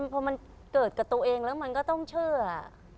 พอมันเกิดกับตัวเองแล้วมันก็ต้องเชื่อ